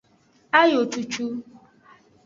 Ayo cucu.